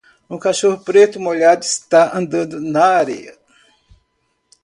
Um cachorro preto molhado está andando na areia.